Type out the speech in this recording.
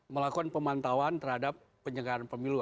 melakukan pemantauan terhadap penyelenggaraan pemilu